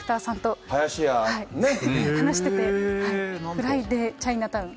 フライディチャイナタウン。